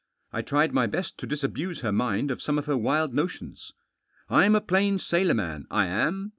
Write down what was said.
I tried my best to disabuse her mind of some of her wild notions. " I'm a plain sailor man, I am.